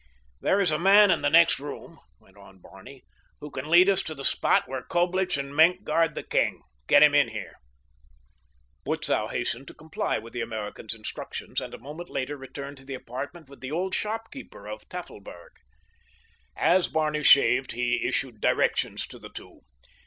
"There is a man in the next room," went on Barney, "who can lead us to the spot where Coblich and Maenck guard the king. Get him in here." Butzow hastened to comply with the American's instructions, and a moment later returned to the apartment with the old shopkeeper of Tafelberg. As Barney shaved he issued directions to the two.